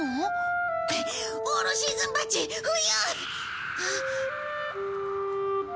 オールシーズン・バッジ冬！